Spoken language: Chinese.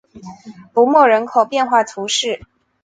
卢莫人口变化图示